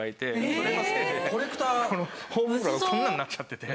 それのせいで頬袋がこんなんなっちゃってて。